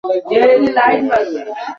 প্রেম, আরও বিছানাপত্র নিয়ে আসো।